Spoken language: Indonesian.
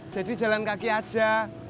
jadi jalan kaki aja